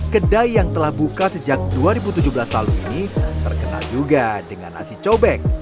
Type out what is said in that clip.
kedai yang telah buka sejak dua ribu tujuh belas lalu ini terkenal juga dengan nasi cobek